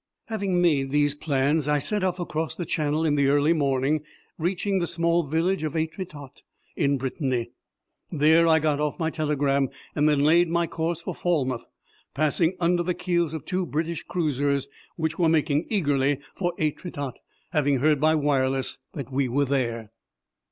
Having made these plans, I set off across the Channel in the early morning, reaching the small village of Etretat, in Brittany. There I got off my telegram and then laid my course for Falmouth, passing under the keels of two British cruisers which were making eagerly for Etretat, having heard by wireless that we were there.